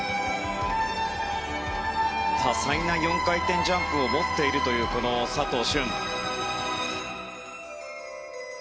多彩な４回転ジャンプを持っているという佐藤駿。